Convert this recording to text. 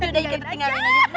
dari tinggal ini aja